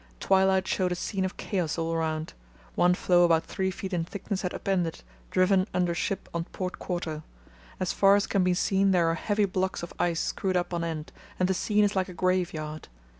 Twilight showed a scene of chaos all around; one floe about three feet in thickness had upended, driven under ship on port quarter. As far as can be seen there are heavy blocks of ice screwed up on end, and the scene is like a graveyard.